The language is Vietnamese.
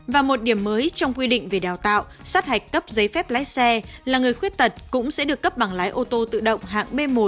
và một điểm mới trong quy định về đào tạo sát hạch cấp giấy phép lái xe là người khuyết tật cũng sẽ được cấp bằng lái ô tô tự động hạng b một